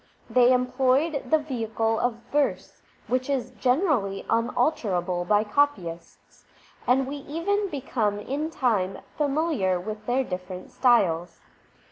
They employed the vehicle of verse, which is generally unalterable by copyists, and we even become in time familiar with their different styles.